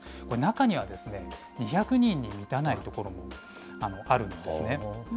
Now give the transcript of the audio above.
これ、中には２００人に満たない所もあるんですね。